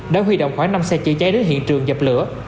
đã huy động khoảng năm xe chữa cháy đến hiện trường dập lửa